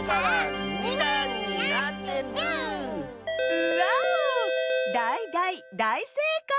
ウォウだいだいだいせいかい！